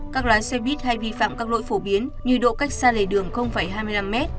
các lái xe buýt hay vi phạm các lỗi phổ biến như độ cách xa lề đường hai mươi năm m